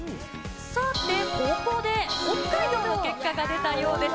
さて、ここで北海道の結果が出たようです。